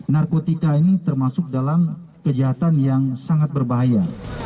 narkotika ini termasuk dalam kejahatan yang sangat berbahaya